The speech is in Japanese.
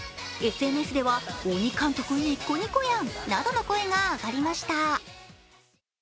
ＳＮＳでは鬼監督にっこにこやんなどの声が上がりました。